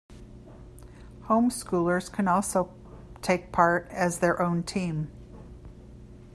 Home-schoolers can also take part as their own team.